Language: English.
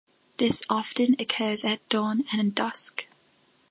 This often occurs at dawn and dusk.